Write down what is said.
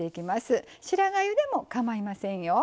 白がゆでもかまいませんよ。